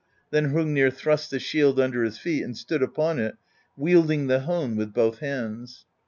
Then Hrungnir thrust the shield under his feet and stood upon it, wielding the hone with both hands.